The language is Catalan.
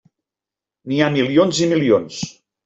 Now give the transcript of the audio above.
N'hi ha milions i milions.